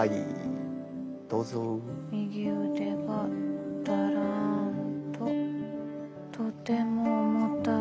「右腕がだらんととても重たい」。